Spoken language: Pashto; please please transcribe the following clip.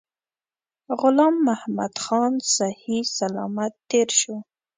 غلام محمدخان صحی سلامت تېر شو.